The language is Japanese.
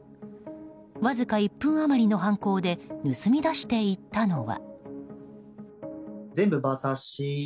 わずか１分余りの犯行で盗み出していったのは。